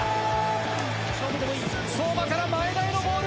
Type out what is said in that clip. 相馬から前田へのボール。